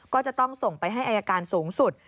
ก็จะต้องส่งไปให้อายการสูงสุด